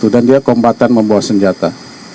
dan dia kombatan membawa senjata